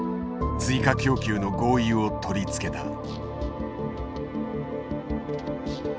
追加供給の合意を取り付けた。